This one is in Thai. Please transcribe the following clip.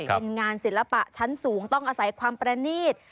เป็นงานศิลปะชั้นสูงต้องอาศัยความประนีต